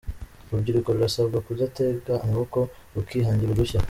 Urubyiruko rurasabwa kudatega amaboko rukihangira udushya